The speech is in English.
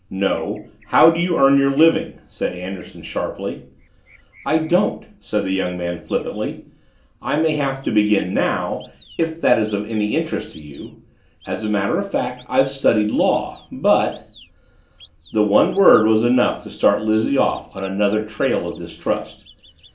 "No how do you earn your living?" said Anderson sharply. "I don't," said the young man flippantly. "I may have to begin now, if that is of any interest to you. As a matter of fact, I've studied law but " The one word was enough to start Lizzie off on another trail of distrust.